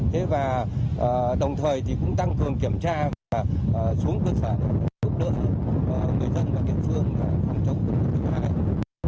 thế và đồng thời thì cũng tăng cường kiểm tra và xuống cơ sở để giúp đỡ người dân và kiểm trương phòng chống cơn bão số hai